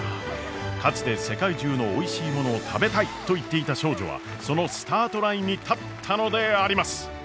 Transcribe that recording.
かつて世界中のおいしいものを食べたいと言っていた少女はそのスタートラインに立ったのであります！